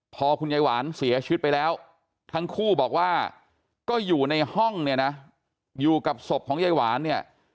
พอคุณยายหวานเสียชีวิตไปแล้วทั้งคู่บอกว่าก็อยู่ในห้องเนี่ยนะอยู่กับศพของยายหวานเนี่ย